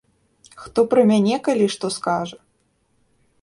Хто пра мяне калі што скажа!